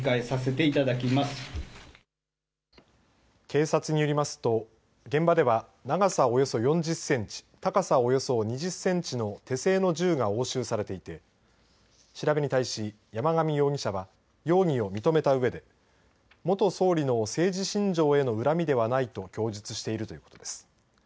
警察によりますと現場では、長さおよそ４０センチ高さおよそ２０センチの手製の銃が押収されていて調べに対し、山上容疑者は容疑を認めたうえで元総理の政治信条への恨みではないと供述しているということです。